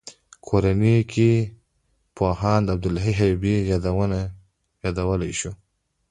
کورنیو کې پوهاند عبدالحی حبیبي یادولای شو.